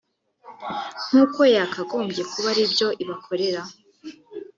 nk’uko yakagombye kuba ari byo ibakorera